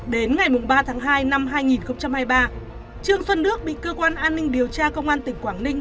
đến ngày ba tháng hai năm hai nghìn hai mươi ba trương xuân đức bị cơ quan an ninh điều tra công an tỉnh quảng ninh